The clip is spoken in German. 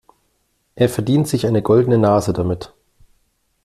Er verdient sich eine goldene Nase damit.